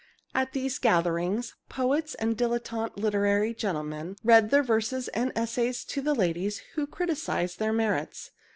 At these gatherings, poets and dilletante literary gentlemen read their verses and essays to the ladies, who criticised their merits.